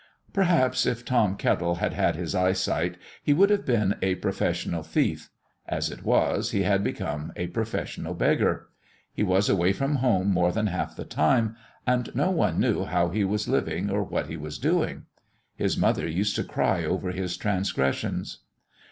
Perhaps, if Tom Kettle had had his eyesight he would have been a professional thief; as it was, he had become a professional beggar. He was away from home more than half the time, and no one knew how he was living or what he was doing. His mother used to cry over his transgressions.